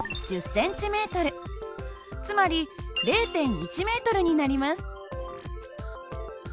つまり０．１ｍになります。